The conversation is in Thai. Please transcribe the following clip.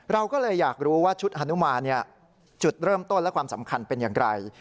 เราก็เลยอยากรู้ว่าชุดฮานุมานจุดเริ่มต้นและความสำคัญเป็นอย่างไร